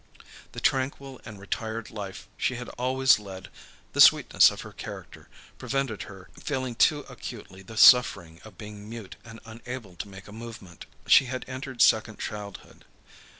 The tranquil and retired life she had always led, the sweetness of her character, prevented her feeling too acutely the suffering of being mute and unable to make a movement. She had entered second childhood.